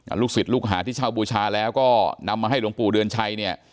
ลูกศิษย์ลูกหาที่เช่าบูชาแล้วก็นำมาให้หลวงปู่เดือนชัยเนี่ย